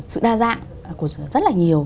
sự đa dạng của rất là nhiều